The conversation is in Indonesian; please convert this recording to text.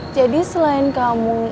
jadi selain kamu